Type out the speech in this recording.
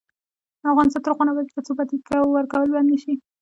افغانستان تر هغو نه ابادیږي، ترڅو بدی ورکول بند نشي.